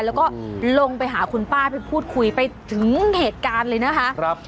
แล้วก็ลงไปหาคุณป้าไปพูดคุยไปถึงเหตุการณ์เลยนะคะ